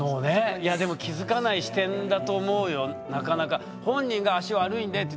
でも気付かない視点だと思うよなかなか。